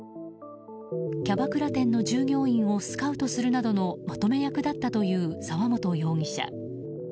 キャバクラ店の従業員をスカウトするなどのまとめ役だったという沢本容疑者。